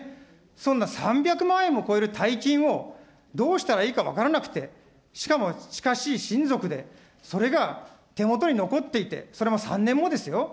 そんな３００万円を超える大金を、どうしたらいいか分からなくて、しかも近しい親族で、それが手元に残っていて、それも３年もですよ。